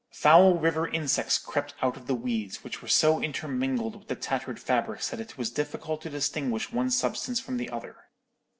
Foul river insects crept out of the weeds, which were so intermingled with the tattered fabrics that it was difficult to distinguish one substance from the other.